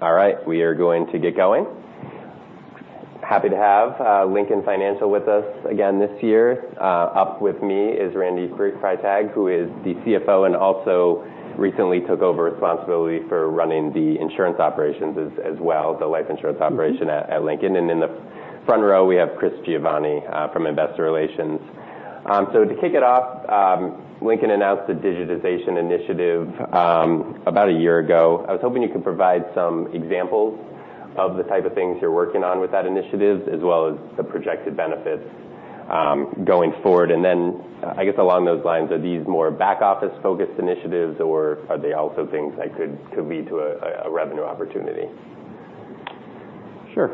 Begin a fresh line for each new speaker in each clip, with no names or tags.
All right. We are going to get going. Happy to have Lincoln Financial with us again this year. Up with me is Randy Freitag, who is the CFO, and also recently took over responsibility for running the insurance operations as well, the life insurance operation at Lincoln. In the front row, we have Chris Giovanni from Investor Relations. To kick it off, Lincoln announced the digitization initiative about a year ago. I was hoping you could provide some examples of the type of things you're working on with that initiative, as well as the projected benefits going forward. Along those lines, are these more back office focused initiatives or are they also things that could lead to a revenue opportunity?
Sure.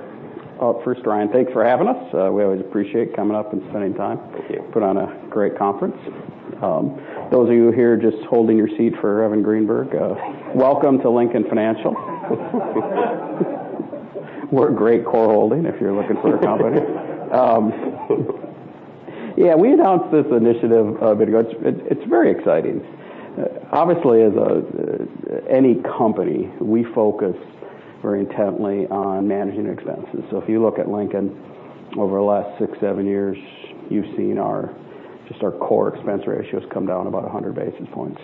First, Ryan, thanks for having us. We always appreciate coming up and spending time.
Thank you.
You put on a great conference. Those of you here just holding your seat for Evan Greenberg, welcome to Lincoln Financial. We're a great core holding if you're looking for a company. Yeah, we announced this initiative a bit ago. It's very exciting. Obviously, as any company, we focus very intently on managing expenses. If you look at Lincoln over the last six, seven years, you've seen just our core expense ratios come down about 100 basis points.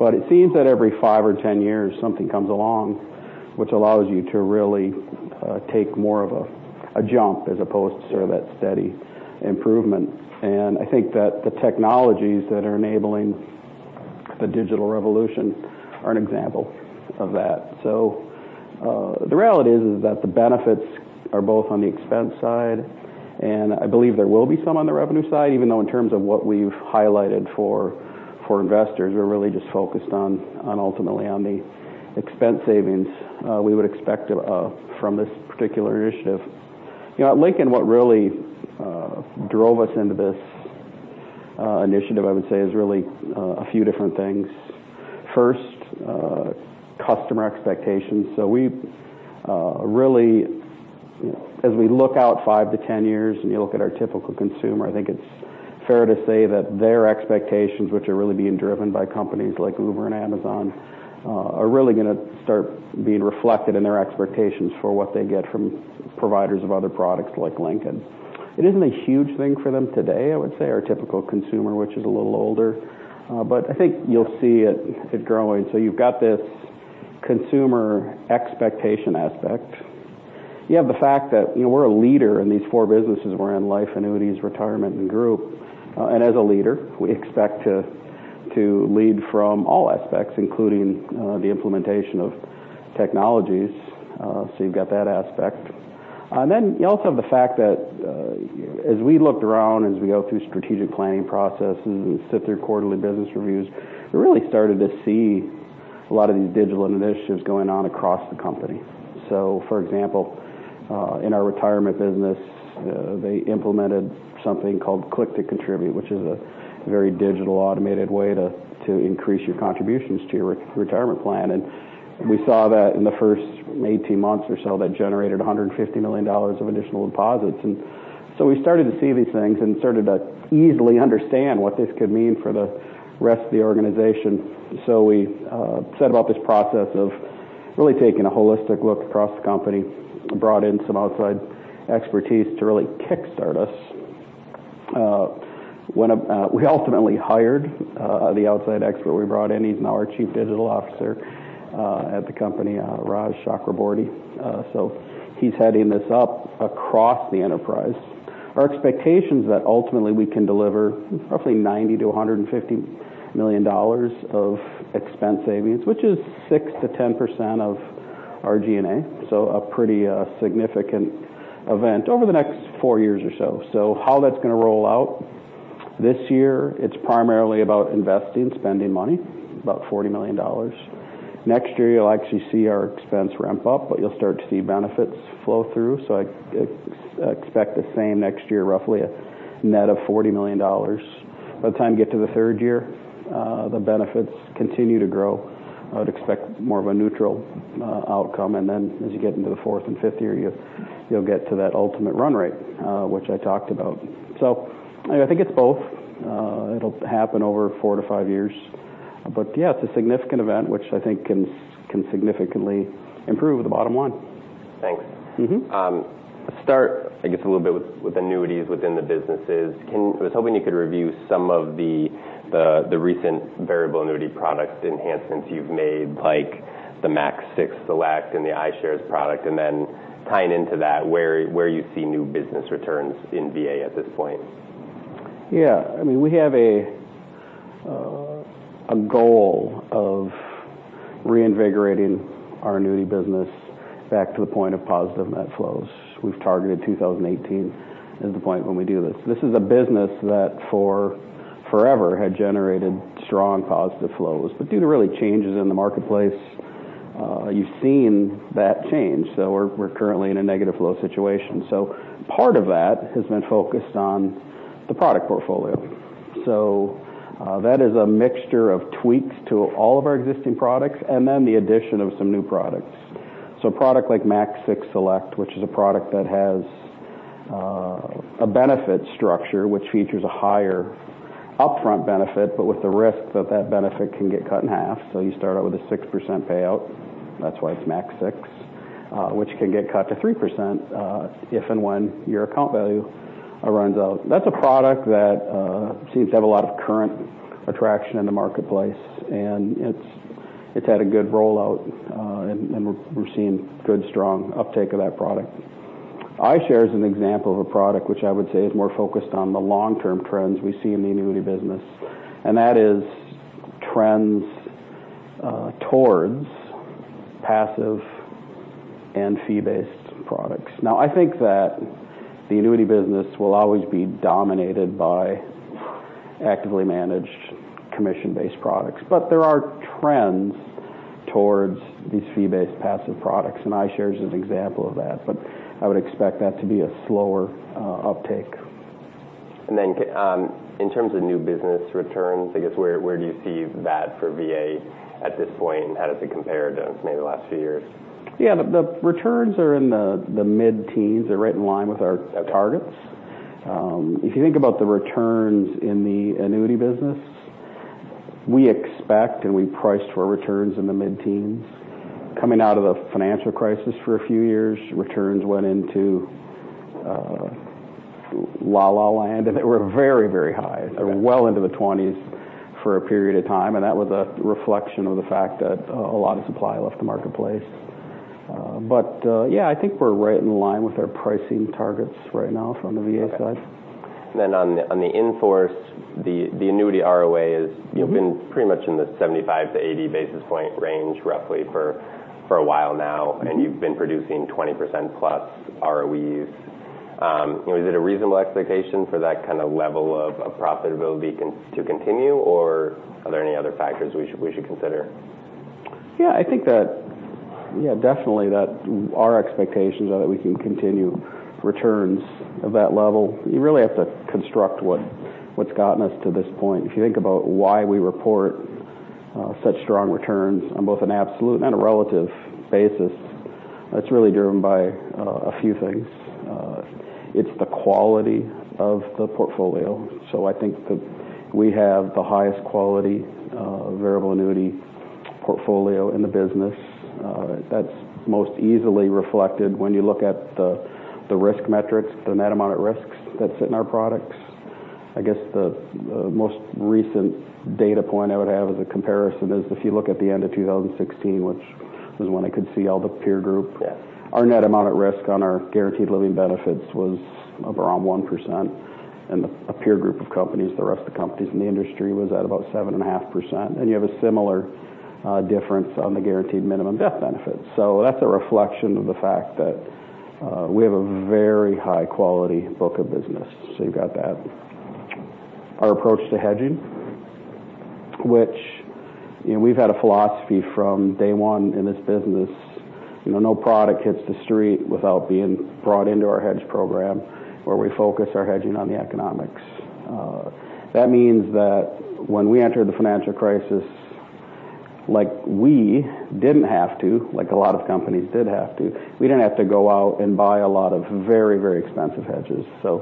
It seems that every five or 10 years something comes along which allows you to really take more of a jump as opposed to sort of that steady improvement. I think that the technologies that are enabling the digital revolution are an example of that. The reality is that the benefits are both on the expense side, and I believe there will be some on the revenue side, even though in terms of what we've highlighted for investors, we're really just focused ultimately on the expense savings we would expect from this particular initiative. At Lincoln, what really drove us into this initiative, I would say, is really a few different things. First, customer expectations. As we look out 5 to 10 years and you look at our typical consumer, I think it's fair to say that their expectations, which are really being driven by companies like Uber and Amazon, are really going to start being reflected in their expectations for what they get from providers of other products like Lincoln. It isn't a huge thing for them today. I would say our typical consumer, which is a little older. I think you'll see it growing. You've got this consumer expectation aspect. You have the fact that we're a leader in these four businesses we're in, life, annuities, retirement, and group. As a leader, we expect to lead from all aspects, including the implementation of technologies. You've got that aspect. You also have the fact that as we looked around, as we go through strategic planning processes and sit through quarterly business reviews, we really started to see a lot of these digital initiatives going on across the company. For example, in our retirement business, they implemented something called Click to Contribute, which is a very digital automated way to increase your contributions to your retirement plan. We saw that in the first 18 months or so, that generated $150 million of additional deposits. We started to see these things and started to easily understand what this could mean for the rest of the organization. We set about this process of really taking a holistic look across the company and brought in some outside expertise to really kickstart us. We ultimately hired the outside expert we brought in. He's now our Chief Digital Officer at the company, Raj Chakraborty. He's heading this up across the enterprise. Our expectation is that ultimately we can deliver roughly $90 million to $150 million of expense savings, which is 6%-10% of our G&A. A pretty significant event over the next four years or so. How that's going to roll out this year, it's primarily about investing, spending money, about $40 million. Next year you'll actually see our expense ramp up, but you'll start to see benefits flow through. I expect the same next year, roughly a net of $40 million. By the time you get to the third year, the benefits continue to grow. I would expect more of a neutral outcome. As you get into the fourth and fifth year, you'll get to that ultimate run rate, which I talked about. I think it's both. It'll happen over four to five years. Yeah, it's a significant event which I think can significantly improve the bottom line.
Thanks. I guess a little bit with annuities within the businesses. I was hoping you could review some of the recent variable annuity product enhancements you've made, like the MAX 6 Select and the iShares product, tying into that, where you see new business returns in VA at this point.
Yeah. We have a goal of reinvigorating our annuity business back to the point of positive net flows. We've targeted 2018 as the point when we do this. This is a business that for forever had generated strong positive flows. Due to really changes in the marketplace, you've seen that change. We're currently in a negative flow situation. Part of that has been focused on the product portfolio. That is a mixture of tweaks to all of our existing products then the addition of some new products. A product like MAX 6 Select, which is a product that has a benefit structure which features a higher upfront benefit, but with the risk that benefit can get cut in half. You start out with a 6% payout. That's why it's MAX 6, which can get cut to 3% if and when your account value runs out. That's a product that seems to have a lot of current attraction in the marketplace, it's had a good rollout, we're seeing good, strong uptake of that product. iShares is an example of a product which I would say is more focused on the long-term trends we see in the annuity business, that is trends towards passive and fee-based products. I think that the annuity business will always be dominated by actively managed commission-based products, there are trends towards these fee-based passive products, iShares is an example of that. I would expect that to be a slower uptake.
Then in terms of new business returns, where do you see that for VA at this point, how does it compare to maybe the last few years?
Yeah. The returns are in the mid-teens. They're right in line with our targets. If you think about the returns in the annuity business, we expect and we price for returns in the mid-teens. Coming out of the financial crisis for a few years, returns went into la-la land, and they were very, very high.
Okay.
Well into the 20s for a period of time, and that was a reflection of the fact that a lot of supply left the marketplace. Yeah, I think we're right in line with our pricing targets right now from the VA side.
Okay. On the in-force, the annuity ROA is- You've been pretty much in the 75 to 80 basis point range roughly for a while now, and you've been producing 20% plus ROEs. Is it a reasonable expectation for that kind of level of profitability to continue, or are there any other factors we should consider?
Yeah, I think that definitely our expectations are that we can continue returns of that level. You really have to construct what's gotten us to this point. If you think about why we report such strong returns on both an absolute and a relative basis, that's really driven by a few things. It's the quality of the portfolio. I think that we have the highest quality variable annuity portfolio in the business. That's most easily reflected when you look at the risk metrics, the net amount at risk that sit in our products. I guess the most recent data point I would have as a comparison is if you look at the end of 2016, which was when I could see all the peer group.
Yeah.
Our net amount at risk on our guaranteed living benefits was around 1%, and a peer group of companies, the rest of the companies in the industry, was at about 7.5%. You have a similar difference on the guaranteed minimum death benefit. That's a reflection of the fact that we have a very high-quality book of business. You've got that. Our approach to hedging. We've had a philosophy from day one in this business. No product hits the street without being brought into our hedge program, where we focus our hedging on the economics. That means that when we entered the financial crisis, we didn't have to, like a lot of companies did have to. We didn't have to go out and buy a lot of very expensive hedges.
Yeah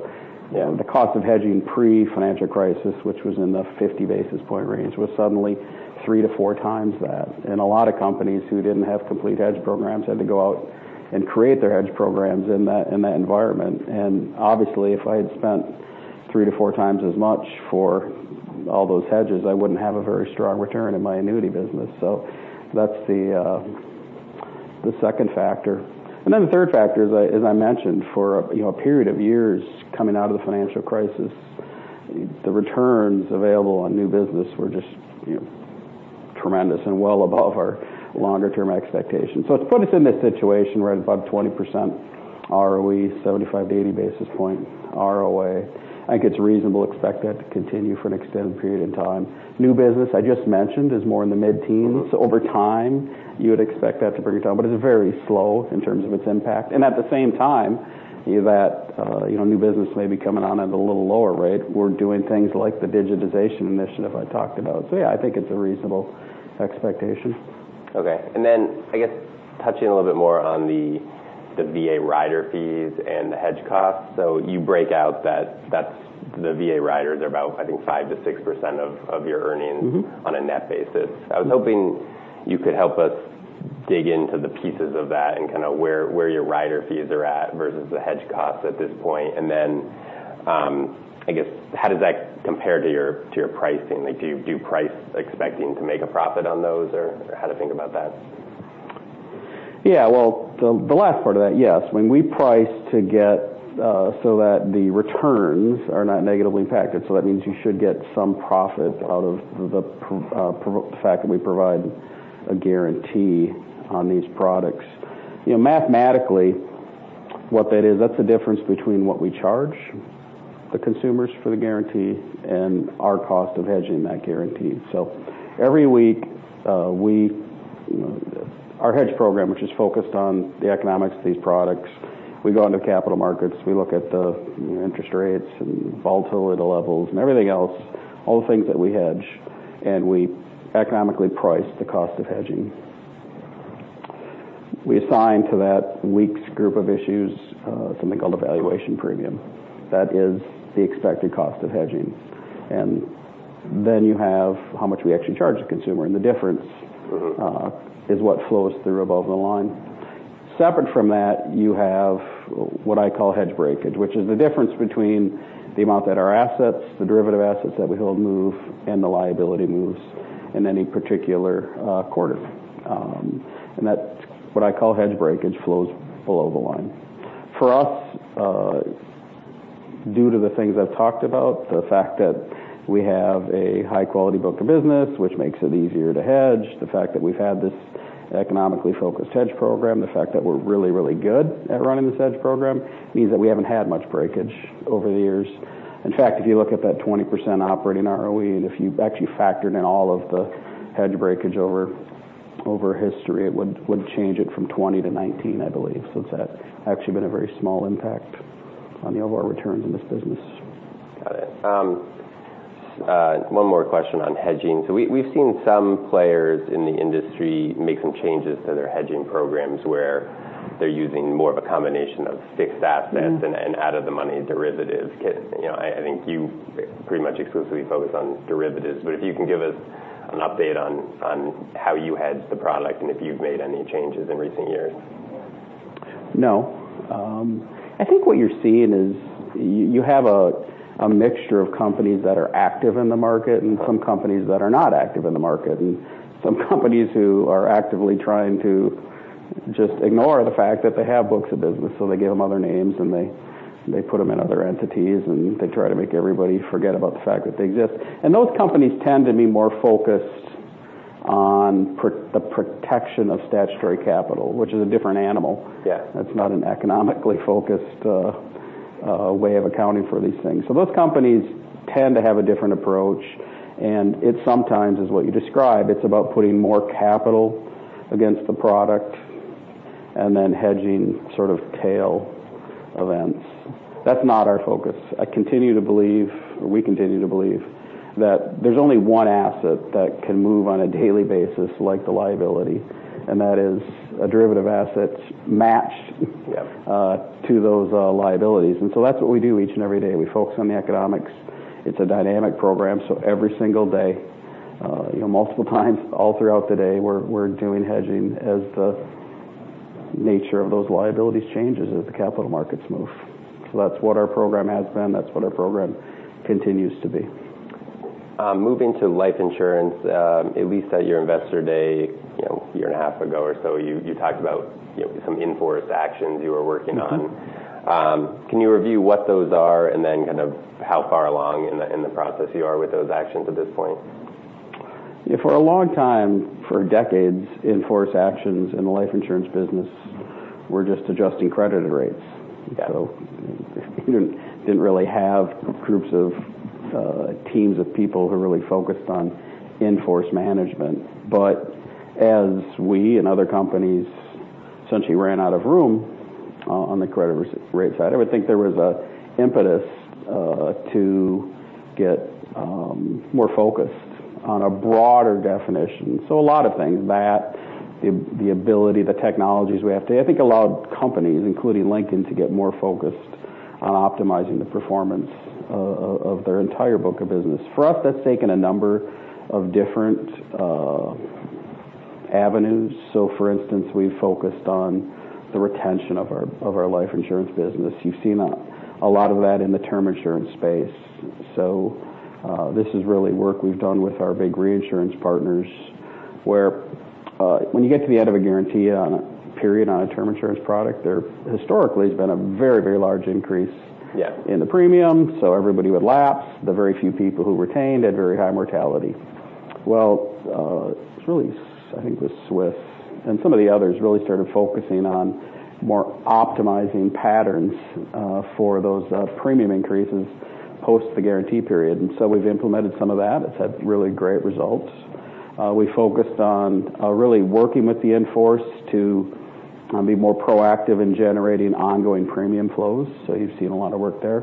The cost of hedging pre-financial crisis, which was in the 50 basis points range, was suddenly three to four times that. A lot of companies who didn't have complete hedge programs had to go out and create their hedge programs in that environment. Obviously, if I had spent three to four times as much for all those hedges, I wouldn't have a very strong return in my annuity business. That's the second factor. The third factor is, as I mentioned, for a period of years coming out of the financial crisis, the returns available on new business were just tremendous and well above our longer-term expectations. It's put us in this situation where at about 20% ROE, 75 to 80 basis points ROA. I think it's reasonable to expect that to continue for an extended period of time. New business, I just mentioned, is more in the mid-teens.
Okay.
Over time, you would expect that to bring it down. It's very slow in terms of its impact. At the same time, that new business may be coming on at a little lower rate. We're doing things like the digitization initiative I talked about. Yeah, I think it's a reasonable expectation.
Okay. I guess touching a little bit more on the VA rider fees and the hedge costs. You break out that the VA riders are about, I think, 5%-6% of your earnings- on a net basis. I was hoping you could help us dig into the pieces of that and kind of where your rider fees are at versus the hedge costs at this point. I guess, how does that compare to your pricing? Do you price expecting to make a profit on those, or how to think about that?
Yeah. Well, the last part of that, yes. When we price to get so that the returns are not negatively impacted. That means you should get some profit out of the fact that we provide a guarantee on these products. Mathematically, what that is, that's the difference between what we charge the consumers for the guarantee and our cost of hedging that guarantee. Every week, our hedge program, which is focused on the economics of these products, we go into capital markets. We look at the interest rates and volatility levels and everything else, all the things that we hedge, and we economically price the cost of hedging. We assign to that week's group of issues something called a valuation premium. That is the expected cost of hedging. You have how much we actually charge the consumer, and the difference- is what flows through above-the-line. Separate from that, you have what I call hedge breakage, which is the difference between the amount that our assets, the derivative assets that we hold move, and the liability moves in any particular quarter. That, what I call hedge breakage, flows below the line. For us, due to the things I've talked about, the fact that we have a high-quality book of business, which makes it easier to hedge, the fact that we've had this economically-focused hedge program, the fact that we're really, really good at running this hedge program, means that we haven't had much breakage over the years. In fact, if you look at that 20% operating ROE, and if you actually factored in all of the hedge breakage over history, it would change it from 20 to 19, I believe. It's actually been a very small impact on the overall returns in this business.
Got it. One more question on hedging. We've seen some players in the industry make some changes to their hedging programs where they're using more of a combination of fixed assets and out-of-the-money derivatives. I think you pretty much exclusively focus on derivatives, but if you can give us an update on how you hedge the product and if you've made any changes in recent years.
No. I think what you're seeing is you have a mixture of companies that are active in the market and some companies that are not active in the market, and some companies who are actively trying to just ignore the fact that they have books of business, so they give them other names and they put them in other entities, and they try to make everybody forget about the fact that they exist. Those companies tend to be more focused on the protection of statutory capital, which is a different animal.
Yes.
That's not an economically focused way of accounting for these things. Those companies tend to have a different approach, and it sometimes is what you describe. It's about putting more capital against the product and then hedging tail events. That's not our focus. I continue to believe, or we continue to believe, that there's only one asset that can move on a daily basis like the liability, and that is a derivative asset matched-
Yeah
to those liabilities. That's what we do each and every day. We focus on the economics. It's a dynamic program, every single day, multiple times all throughout the day, we're doing hedging as the nature of those liabilities changes as the capital markets move. That's what our program has been. That's what our program continues to be.
Moving to life insurance. At least at your Investor Day a year and a half ago or so, you talked about some in-force actions you were working on. Can you review what those are and then how far along in the process you are with those actions at this point?
For a long time, for decades, in-force actions in the life insurance business were just adjusting credit rates.
Got it.
We didn't really have teams of people who really focused on in-force management. As we and other companies essentially ran out of room on the credit rate side, I would think there was an impetus to get more focused on a broader definition. A lot of things. That, the ability, the technologies we have today, I think allowed companies, including Lincoln, to get more focused on optimizing the performance of their entire book of business. For us, that's taken a number of different avenues. For instance, we focused on the retention of our life insurance business. You've seen a lot of that in the term insurance space. This is really work we've done with our big reinsurance partners, where when you get to the end of a guarantee period on a term insurance product, there historically has been a very, very large increase-
Yeah
in the premium. Everybody would lapse. The very few people who retained had very high mortality. Well, I think it was Swiss and some of the others really started focusing on more optimizing patterns for those premium increases post the guarantee period. We've implemented some of that. It's had really great results. We focused on really working with the in-force to be more proactive in generating ongoing premium flows. You've seen a lot of work there.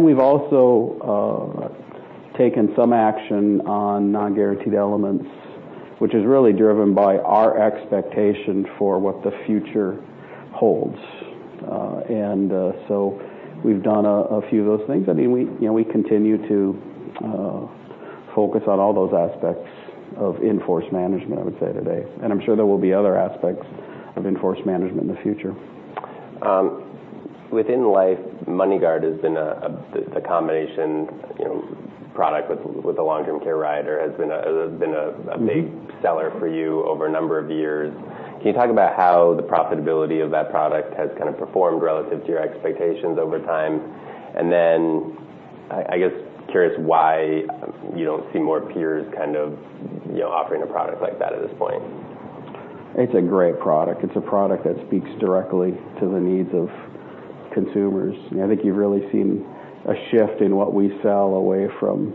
We've also taken some action on non-guaranteed elements, which is really driven by our expectation for what the future holds. We've done a few of those things. We continue to focus on all those aspects of in-force management, I would say, today. I'm sure there will be other aspects of in-force management in the future.
Within life, MoneyGuard has been a combination product with a long-term care rider, has been a big seller for you over a number of years. Can you talk about how the profitability of that product has performed relative to your expectations over time? I guess curious why you don't see more peers offering a product like that at this point.
It's a great product. It's a product that speaks directly to the needs of consumers. I think you've really seen a shift in what we sell away from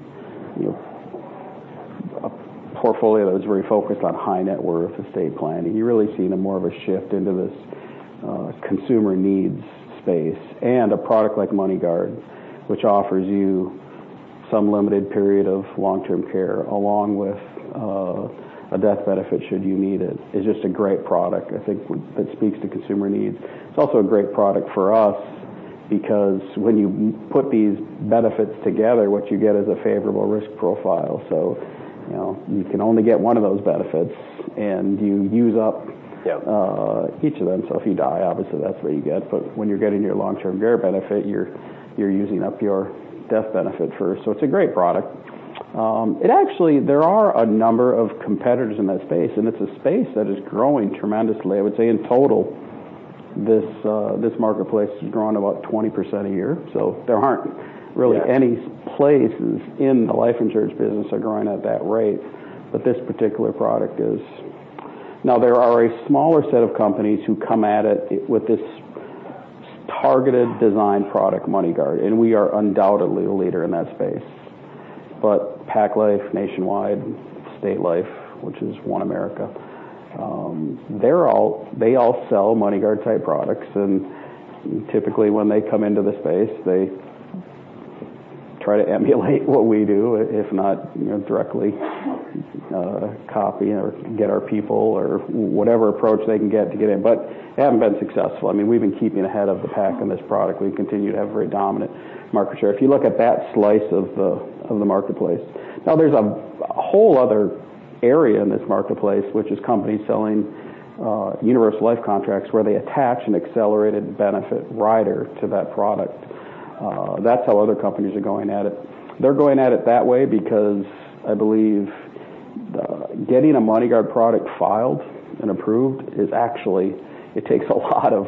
a portfolio that was very focused on high net worth estate planning. You've really seen more of a shift into this consumer needs space. A product like MoneyGuard, which offers you some limited period of long-term care along with a death benefit should you need it. It's just a great product. I think it speaks to consumer needs. It's also a great product for us because when you put these benefits together, what you get is a favorable risk profile. You can only get one of those benefits, and you use up-
Yeah
each of them. If you die, obviously, that's what you get. But when you're getting your long-term care benefit, you're using up your death benefit first. It's a great product. There are a number of competitors in that space, and it's a space that is growing tremendously. I would say in total, this marketplace has grown about 20% a year. There aren't really any places in the life insurance business are growing at that rate. But this particular product is. Now there are a smaller set of companies who come at it with this targeted design product, MoneyGuard, and we are undoubtedly a leader in that space. Pac Life, Nationwide, State Life, which is OneAmerica, they all sell MoneyGuard type products and typically when they come into the space, they try to emulate what we do, if not directly copy or get our people or whatever approach they can get to get in. They haven't been successful. We've been keeping ahead of the pack on this product. We continue to have very dominant market share. If you look at that slice of the marketplace. Now there's a whole other area in this marketplace which is companies selling universal life contracts where they attach an accelerated benefit rider to that product. That's how other companies are going at it. They're going at it that way because I believe getting a MoneyGuard product filed and approved takes a lot of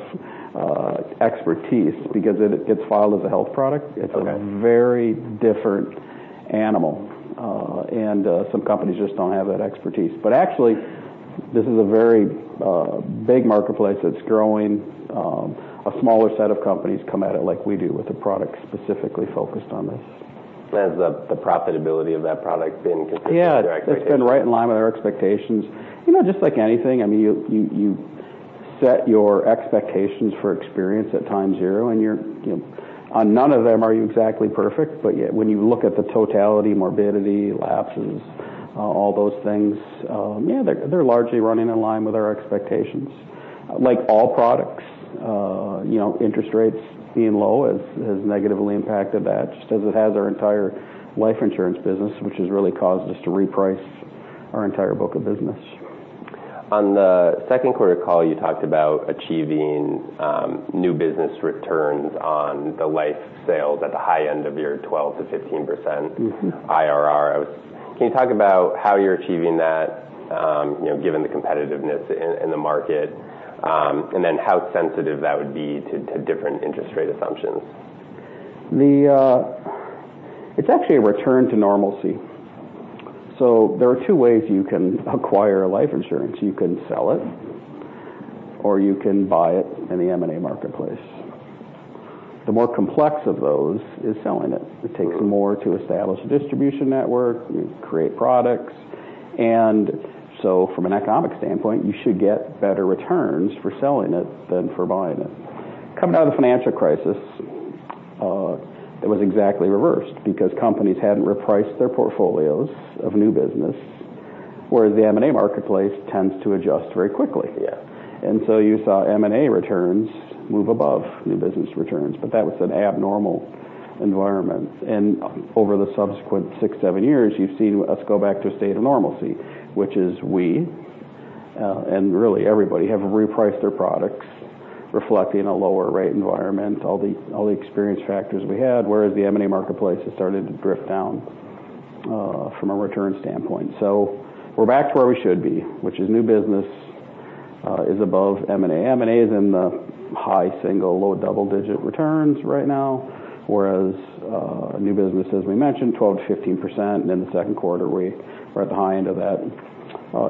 expertise because it gets filed as a health product.
Okay.
It's a very different animal. Some companies just don't have that expertise. Actually, this is a very big marketplace that's growing. A smaller set of companies come at it like we do with a product specifically focused on this.
Has the profitability of that product been consistent with your expectations?
Yeah. It's been right in line with our expectations. Just like anything, you set your expectations for experience at time zero, and on none of them are you exactly perfect, but yet when you look at the totality, morbidity, lapses, all those things, yeah, they're largely running in line with our expectations. Like all products, interest rates being low has negatively impacted that just as it has our entire life insurance business, which has really caused us to reprice our entire book of business.
On the second quarter call, you talked about achieving new business returns on the life sales at the high end of your 12%-15% IRR. Can you talk about how you're achieving that given the competitiveness in the market? Then how sensitive that would be to different interest rate assumptions?
It's actually a return to normalcy. There are two ways you can acquire life insurance. You can sell it or you can buy it in the M&A marketplace. The more complex of those is selling it. It takes more to establish a distribution network. You create products. From an economic standpoint, you should get better returns for selling it than for buying it. Coming out of the financial crisis, it was exactly reversed because companies hadn't repriced their portfolios of new business, whereas the M&A marketplace tends to adjust very quickly.
Yeah.
You saw M&A returns move above new business returns, but that was an abnormal environment. Over the subsequent six, seven years, you've seen us go back to a state of normalcy, which is we and really everybody have repriced their products reflecting a lower rate environment, all the experience factors we had, whereas the M&A marketplace has started to drift down from a return standpoint. We're back to where we should be, which is new business is above M&A. M&A is in the high single, low double-digit returns right now, whereas new business, as we mentioned, 12%-15%, and in the second quarter we were at the high end of that.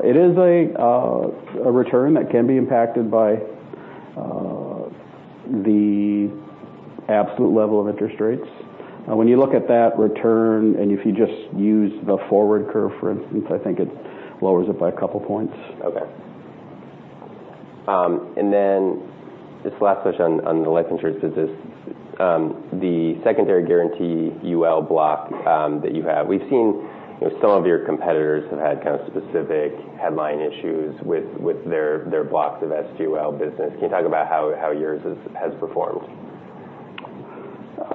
It is a return that can be impacted by the absolute level of interest rates. When you look at that return, if you just use the forward curve, for instance, I think it lowers it by a couple of points.
Okay. Just the last question on the life insurance business. The secondary guarantee UL block that you have. We've seen some of your competitors have had specific headline issues with their blocks of SGUL business. Can you talk about how yours has performed?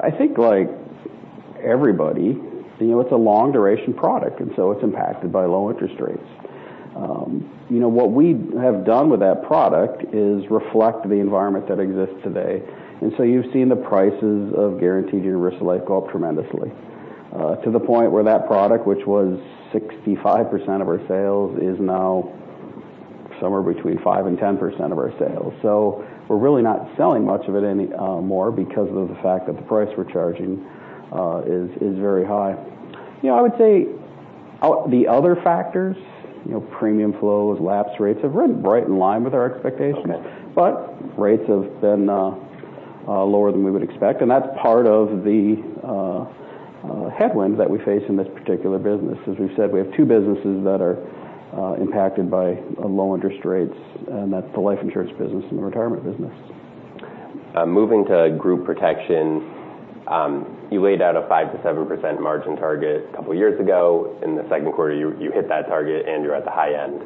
I think like everybody, it's a long duration product and so it's impacted by low interest rates. What we have done with that product is reflect the environment that exists today. You've seen the prices of guaranteed universal life go up tremendously to the point where that product, which was 65% of our sales, is now somewhere between 5% and 10% of our sales. We're really not selling much of it anymore because of the fact that the price we're charging is very high. I would say the other factors, premium flows, lapse rates, have run right in line with our expectations.
Okay.
Rates have been lower than we would expect, and that's part of the headwind that we face in this particular business. As we've said, we have two businesses that are impacted by low interest rates, and that's the life insurance business and the retirement business.
Moving to group protection. You laid out a 5%-7% margin target a couple of years ago. In the second quarter, you hit that target and you're at the high end.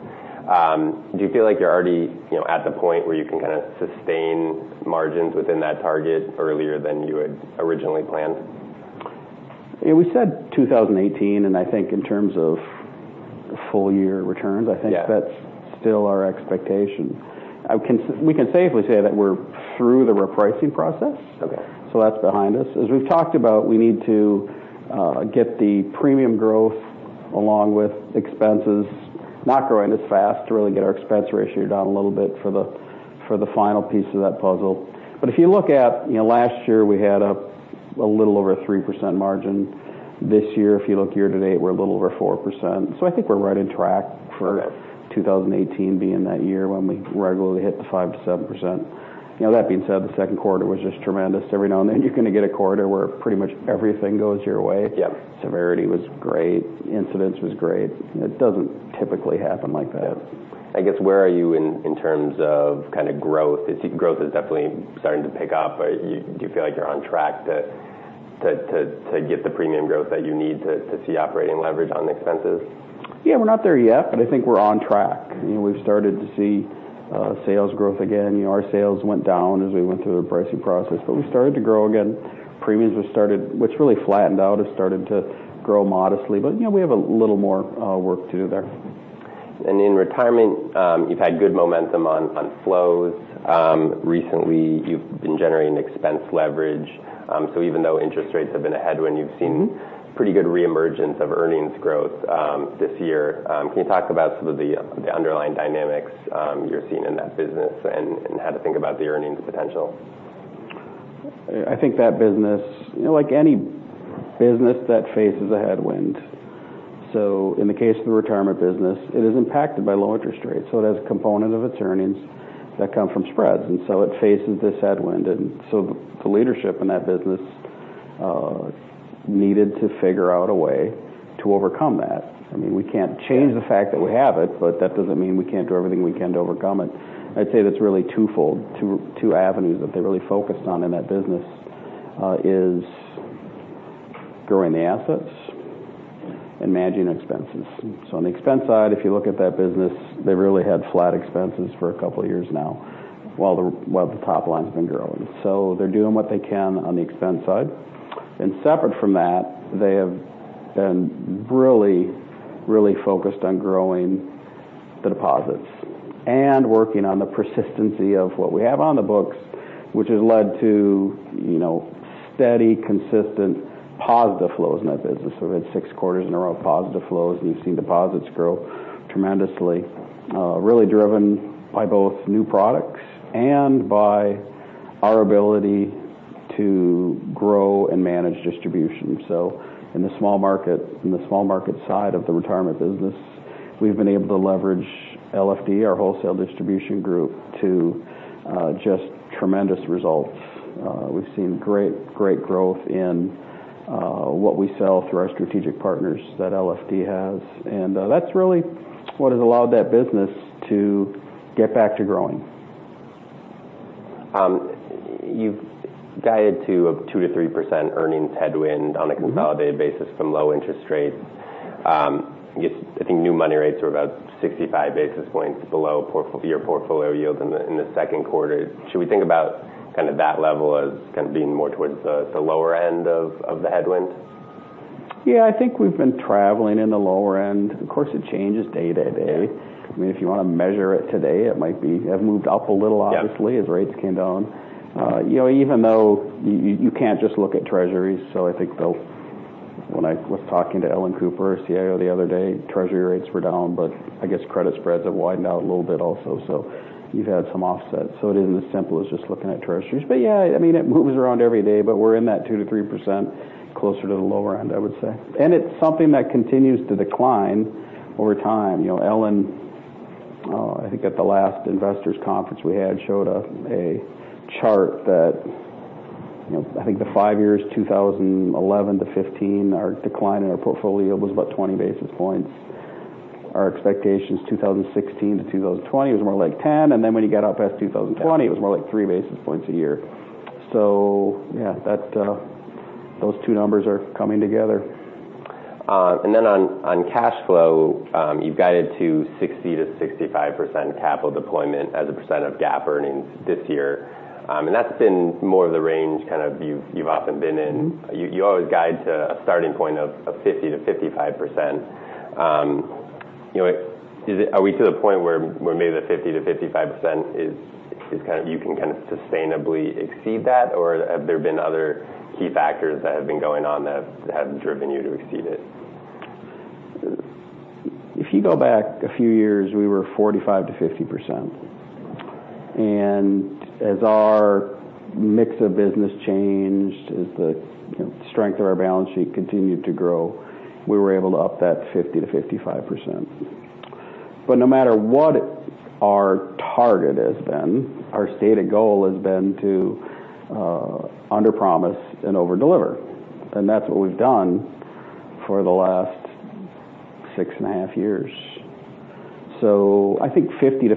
Do you feel like you're already at the point where you can sustain margins within that target earlier than you had originally planned?
We said 2018.
Yeah
I think that's still our expectation. We can safely say that we're through the repricing process.
Okay.
That's behind us. As we've talked about, we need to get the premium growth along with expenses not growing as fast to really get our expense ratio down a little bit for the final piece of that puzzle. If you look at last year, we had a little over a 3% margin. This year, if you look year to date, we're a little over 4%. I think we're right on track for-
Yeah
2018 being that year when we regularly hit the 5%-7%. That being said, the second quarter was just tremendous. Every now and then you're going to get a quarter where pretty much everything goes your way.
Yeah.
Severity was great, incidence was great. It doesn't typically happen like that.
Yeah. I guess, where are you in terms of growth? Growth is definitely starting to pick up. Do you feel like you're on track to get the premium growth that you need to see operating leverage on the expenses?
Yeah, we're not there yet, but I think we're on track. We've started to see sales growth again. Our sales went down as we went through the repricing process, but we've started to grow again. Premiums, what's really flattened out, has started to grow modestly. We have a little more work to do there.
In retirement, you've had good momentum on flows. Recently, you've been generating expense leverage. Even though interest rates have been a headwind, you've seen pretty good re-emergence of earnings growth this year. Can you talk about some of the underlying dynamics you're seeing in that business, and how to think about the earnings potential?
I think that business, like any business that faces a headwind. In the case of the retirement business, it is impacted by low interest rates. It has a component of its earnings that come from spreads. It faces this headwind. The leadership in that business needed to figure out a way to overcome that. We can't change the fact that we have it, but that doesn't mean we can't do everything we can to overcome it. I'd say that's really twofold. Two avenues that they really focused on in that business is growing the assets and managing expenses. On the expense side, if you look at that business, they really had flat expenses for a couple of years now while the top line's been growing. They're doing what they can on the expense side. Separate from that, they have been really, really focused on growing the deposits and working on the persistency of what we have on the books, which has led to steady, consistent, positive flows in that business. We've had 6 quarters in a row of positive flows, and you've seen deposits grow tremendously. Really driven by both new products and by our ability to grow and manage distribution. In the small market side of the retirement business, we've been able to leverage LFD, our wholesale distribution group, to just tremendous results. We've seen great growth in what we sell through our strategic partners that LFD has. That's really what has allowed that business to get back to growing.
You've guided to a 2%-3% earnings headwind on a consolidated basis from low interest rates. I think new money rates were about 65 basis points below your portfolio yield in the second quarter. Should we think about that level as being more towards the lower end of the headwind?
I think we've been traveling in the lower end. Of course, it changes day to day.
Yeah.
If you want to measure it today, it might have moved up a little.
Yeah
as rates came down. Even though you can't just look at treasuries. I think when I was talking to Ellen Cooper, our CIO, the other day, treasury rates were down, but I guess credit spreads have widened out a little bit also, you've had some offset. It isn't as simple as just looking at treasuries. Yeah, it moves around every day, but we're in that 2%-3%, closer to the lower end, I would say. It's something that continues to decline over time. Ellen, I think at the last investors conference we had, showed a chart that I think the five years 2011-2015, our decline in our portfolio was about 20 basis points. Our expectations 2016-2020 was more like 10 basis points, and then when you get up past 2020, it was more like three basis points a year. Yeah, those two numbers are coming together.
Then on cash flow, you've guided to 60%-65% capital deployment as a percent of GAAP earnings this year. That's been more of the range you've often been in. You always guide to a starting point of 50%-55%. Are we to the point where maybe the 50%-55%, you can sustainably exceed that, or have there been other key factors that have been going on that have driven you to exceed it?
If you go back a few years, we were 45%-50%. As our mix of business changed, as the strength of our balance sheet continued to grow, we were able to up that 50%-55%. No matter what our target has been, our stated goal has been to underpromise and overdeliver. That's what we've done for the last six and a half years. I think 50%-55%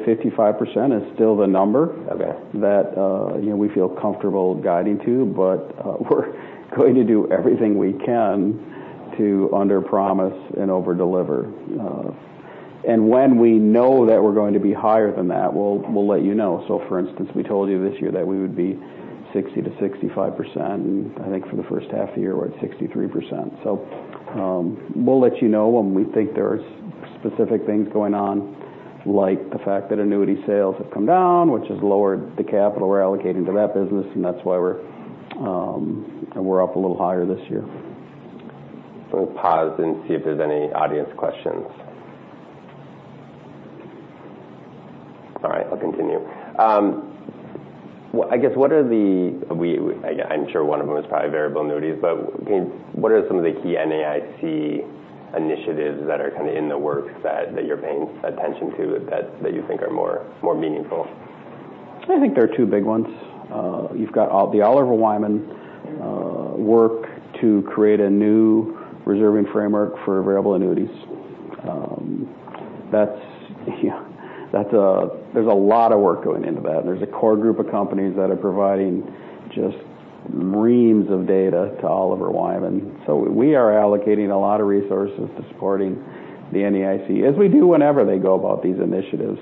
is still the number
Okay
That we feel comfortable guiding to. We're going to do everything we can to underpromise and overdeliver. When we know that we're going to be higher than that, we'll let you know. For instance, we told you this year that we would be 60%-65%, and I think for the first half of the year, we're at 63%. We'll let you know when we think there's specific things going on, like the fact that annuity sales have come down, which has lowered the capital we're allocating to that business, and that's why we're up a little higher this year.
We'll pause and see if there's any audience questions. All right, I'll continue. I'm sure one of them is probably variable annuities, but what are some of the key NAIC initiatives that are kind of in the works that you're paying attention to that you think are more meaningful?
I think there are two big ones. You've got the Oliver Wyman work to create a new reserving framework for variable annuities. There's a lot of work going into that, and there's a core group of companies that are providing just reams of data to Oliver Wyman. We are allocating a lot of resources to supporting the NAIC, as we do whenever they go about these initiatives.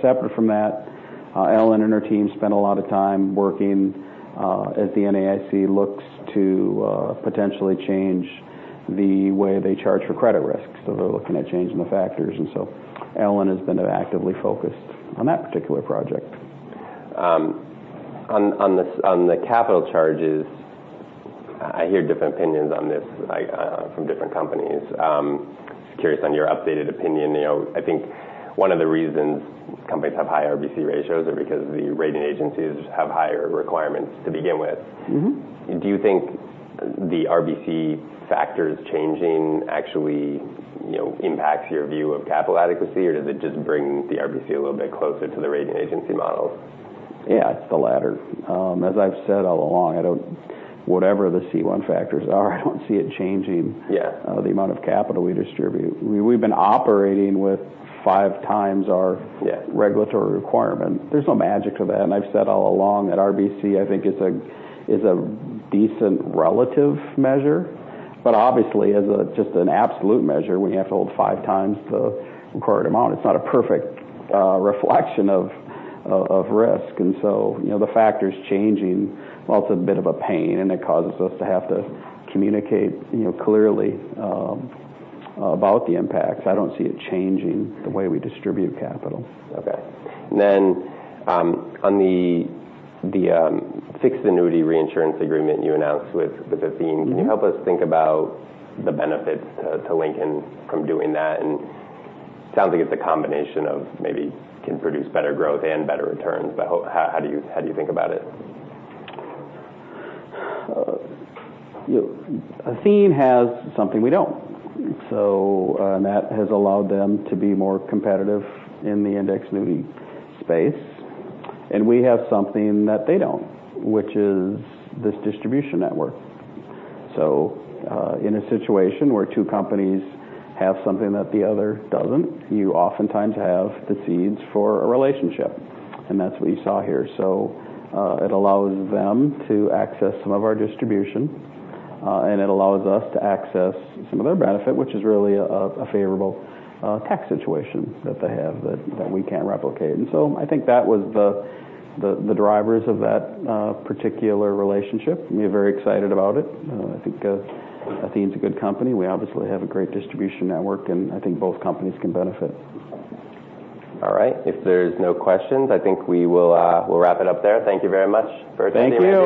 Separate from that, Ellen and her team spent a lot of time working as the NAIC looks to potentially change the way they charge for credit risk. They're looking at changing the factors, and Ellen has been actively focused on that particular project.
On the capital charges, I hear different opinions on this from different companies. Curious on your updated opinion. I think one of the reasons companies have higher RBC ratios are because the rating agencies have higher requirements to begin with. Do you think the RBC factors changing actually impacts your view of capital adequacy, or does it just bring the RBC a little bit closer to the rating agency models?
Yeah, it's the latter. As I've said all along, whatever the C1 factors are, I don't see it changing.
Yeah
The amount of capital we distribute. We've been operating with five times our.
Yeah
regulatory requirement. There's no magic to that, and I've said all along that RBC, I think, is a decent relative measure. But obviously, as just an absolute measure, when you have to hold five times the required amount, it's not a perfect reflection of risk. The factors changing, while it's a bit of a pain, and it causes us to have to communicate clearly about the impacts, I don't see it changing the way we distribute capital.
Okay. On the fixed annuity reinsurance agreement you announced with Athene, can you help us think about the benefits to Lincoln from doing that? It sounds like it's a combination of maybe can produce better growth and better returns, but how do you think about it?
Athene has something we don't. That has allowed them to be more competitive in the index annuity space. We have something that they don't, which is this distribution network. In a situation where two companies have something that the other doesn't, you oftentimes have the seeds for a relationship, and that's what you saw here. It allows them to access some of our distribution, and it allows us to access some of their benefit, which is really a favorable tax situation that they have that we can't replicate. I think that was the drivers of that particular relationship, and we are very excited about it. I think Athene's a good company. We obviously have a great distribution network, and I think both companies can benefit.
All right. If there's no questions, I think we'll wrap it up there. Thank you very much for attending.
Thank you